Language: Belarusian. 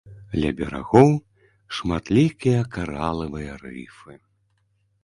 Ля берагоў шматлікія каралавыя рыфы.